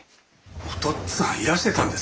お父っつぁんいらしてたんですか。